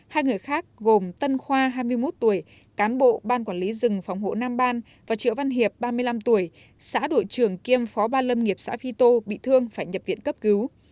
hai người khác gồm tân khoa hai mươi một tuổi cán bộ ban quản lý rừng phòng hộ nam ban và triệu văn hiệp ba mươi năm tuổi xã đội trưởng kiêm phó ban lâm nghiệp xã phi tô bị thương phải nhập viện cấp cứu